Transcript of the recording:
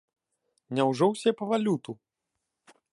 Няўжо ўсе па валюту?